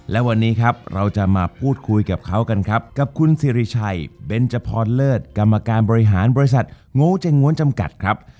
และวันนี้ครับเราจะมาพูดคุยกับเขากันครับกับคุณสิริชัยเบนจพรเลิศกรรมการบริหารบริษัทโง่เจ๊ง้วนจำกัดครับ